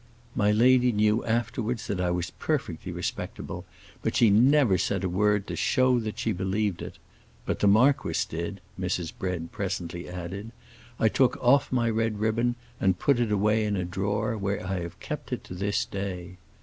My lady knew afterwards that I was perfectly respectable, but she never said a word to show that she believed it. But the marquis did!" Mrs. Bread presently added, "I took off my red ribbon and put it away in a drawer, where I have kept it to this day.